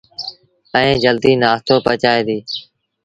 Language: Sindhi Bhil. ائيٚݩ جلديٚ نآستو پچائيٚݩ ديٚݩ۔